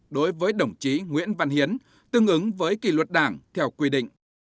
đối với đồng chí nguyễn văn hiến tương ứng với kỷ luật đảng theo quy định